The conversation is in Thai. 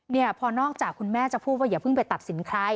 พอนอกจากคุณแม่จะพูดว่าอย่าเพิ่งไปตัดสินใคร